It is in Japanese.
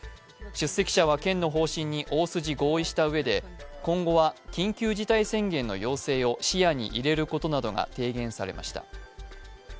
出席者は県の方針に大筋合意したうえで今後は、緊急事態宣言の要請を視野に入れることなどが提言されました。